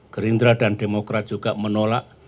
gerindra dan demokrat juga menolak